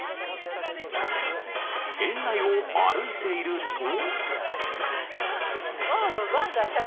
園内を歩いていると。